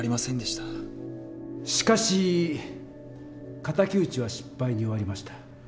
しかし敵討ちは失敗に終わりました。